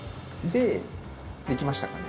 出来ましたかね？